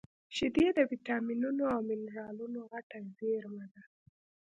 شیدې د ویټامینونو او مینرالونو غټه زېرمه ده